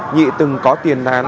nhị từng có tiền là